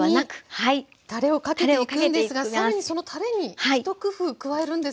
ここにたれをかけていくんですが更にそのたれに一工夫加えるんですよね。